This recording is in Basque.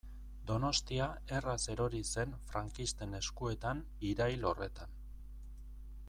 Donostia erraz erori zen frankisten eskuetan irail horretan.